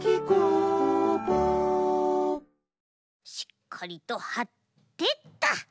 しっかりとはってと。